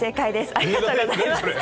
ありがとうございます。